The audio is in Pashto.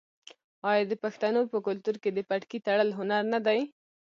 آیا د پښتنو په کلتور کې د پټکي تړل هنر نه دی؟